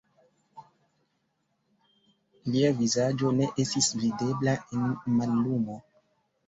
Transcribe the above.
Lia vizaĝo ne estis videbla en mallumo.